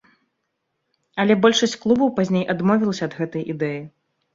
Але большасць клубаў пазней адмовілася ад гэтай ідэі.